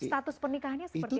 status pernikahannya seperti apa